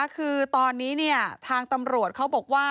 คือตอนนี้ทางตำรวจเขาบอกว่า